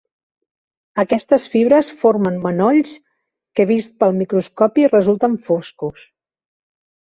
Aquestes fibres formen manolls que vists pel microscopi resulten foscos.